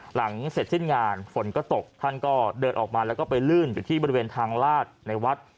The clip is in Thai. หลังเสร็จสิ้นงานฝนก็ตกท่านก็เดินออกมาแล้วก็ไปลื่นอยู่ที่บริเวณทางลาดในวัด